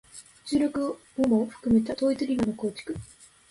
重力をも含めた統一理論の構築